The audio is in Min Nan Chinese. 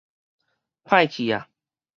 歹去矣